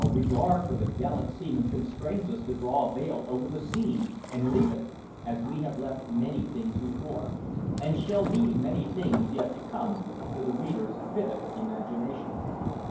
regard for the gallant seaman constrains us to draw a veil over the scene and leave it, as we have left many things before, and shall leave many things yet to come, to the reader's vivid imagination.